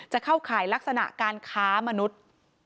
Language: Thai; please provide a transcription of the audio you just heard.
เข้าข่ายลักษณะการค้ามนุษย์